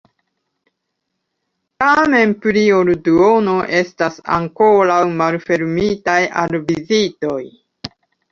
Tamen, pli ol la duono estas ankoraŭ malfermitaj al vizitoj.